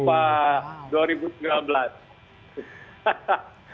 pada tahun dua ribu sembilan belas